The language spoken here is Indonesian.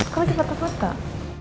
kamu cepet cepet kak